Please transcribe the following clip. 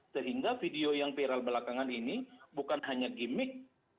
sehingga video yang viral belakangan ini bukan hanya gimmick